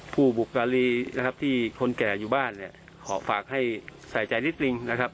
ผู้บุการีนะครับที่คนแก่อยู่บ้านเนี่ยขอฝากให้ใส่ใจนิดนึงนะครับ